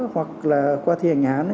hoặc là qua thi hành án